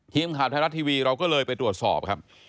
ทีมข่าวไทยรัฐทีวีเราก็เลยไปตรวจสอบครับ